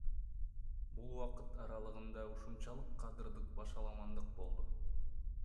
Бул убакыт аралыгында ушунчалык кадрдык башаламандык болду.